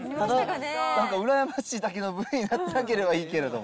なんか、羨ましいだけのＶになってなければいいけれども。